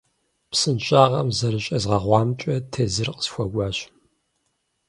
Псынщӏагъэм зэрыщӏезгъэгъуамкӏэ тезыр къысхуэкӏуащ.